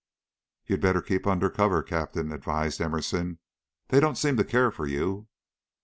"You'd better keep under cover, Captain," advised Emerson. "They don't seem to care for you."